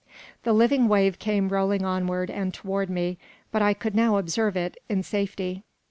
The living wave came rolling onward and toward me; but I could now observe it in safety.